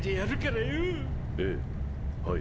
ええはい。